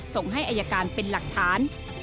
ส่งให้อายการเป็นหลักฐาน